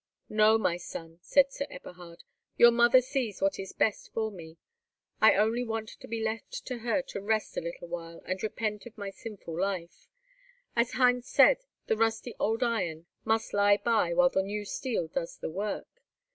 "No, my son," said Sir Eberhard; "your mother sees what is best for me. I only want to be left to her to rest a little while, and repent of my sinful life. As Heinz says, the rusty old iron must lie by while the new steel does the work.